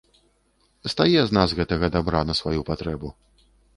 Стае з нас гэтага дабра на сваю патрэбу.